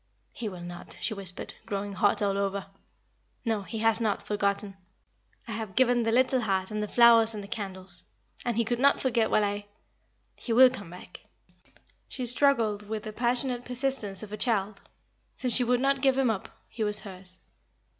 "He will not," she whispered, growing hot all over. "No, he has not forgotten. I have given the little heart and the flowers and candles. And he could not forget while I He will come back." She struggled with the passionate persistence of a child. Since she would not give him up, he was hers.